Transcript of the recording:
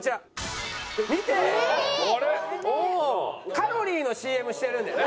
カロリーのＣＭしてるんだよね？